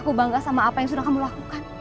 aku bangga sama apa yang sudah kamu lakukan